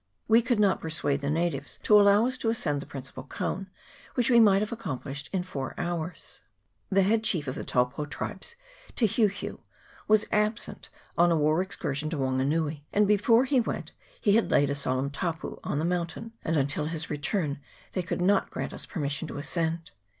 We could not persuade the natives to allow us to ascend the principal cone, which we might have accomplished in four hours. The head chief of the Taupo tribes, Te Heu Heu, 1 Elaeotris basalis, Gray. See " Fauna." CHAP. XXIV.] OF TONGARIRO. 347 was absent on a war excursion to Wanganui, and before he went he had laid a solemn " tapu " on the mountain, and until his return they could not grant us permission to ascend it.